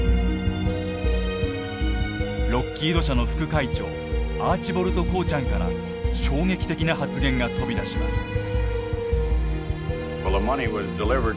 ロッキード社の副会長アーチボルド・コーチャンから衝撃的な発言が飛び出します。